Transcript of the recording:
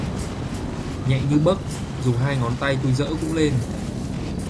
Nhẹ như bấc dùng hai ngón tay tui dỡ cũng lên